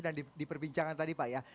di perbincangan tadi pak ya